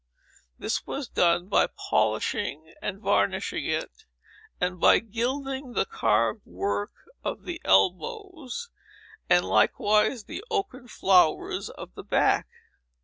This was done by polishing and varnishing it, and by gilding the carved work of the elbows, and likewise the oaken flowers of the back.